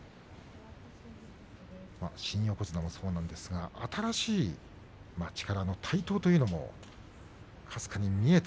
新横綱もそうなんですが新しい力の台頭というのもかすかに見えた